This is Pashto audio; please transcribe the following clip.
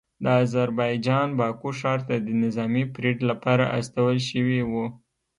د اذربایجان باکو ښار ته د نظامي پریډ لپاره استول شوي وو